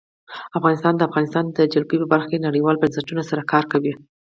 افغانستان د د افغانستان جلکو په برخه کې نړیوالو بنسټونو سره کار کوي.